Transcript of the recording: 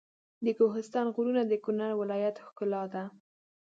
د کوهستان غرونه د کنړ ولایت ښکلا ده.